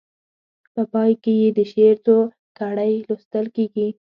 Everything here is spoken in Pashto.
په پای کې یې د شعر څو کړۍ لوستل کیږي.